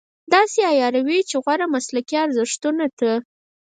داسې عیاروي چې غوره مسلکي ارزښتونو ته.